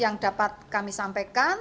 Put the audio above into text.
yang dapat kami sampaikan